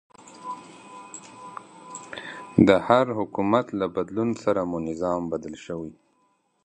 د هر حکومت له بدلون سره مو نظام بدل شوی.